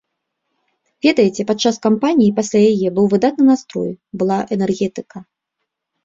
Ведаеце, падчас кампаніі і пасля яе быў выдатны настрой, была энергетыка.